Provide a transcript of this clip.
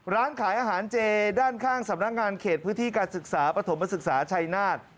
ร้านขายอาหารเจด้านข้างสำนักงานเขตพื้นที่การศึกษาปฐมศึกษาชัยนาฏ